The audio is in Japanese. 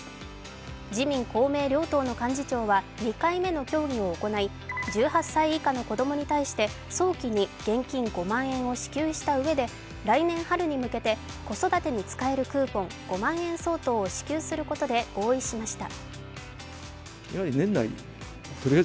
自民・公明両党の幹事長は２回目の協議を行い１８歳以下の子供に対して、早期に現金５万円を支給した上で来年春に向けて子育てに使えるクーポン５万円相当を支給することで合意しました。